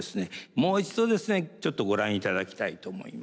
もう一度ですねちょっとご覧いただきたいと思います。